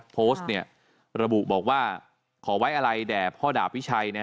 โพสต์เนี่ยระบุบอกว่าขอไว้อะไรแด่พ่อดาบวิชัย